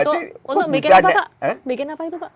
untuk bikin apa itu pak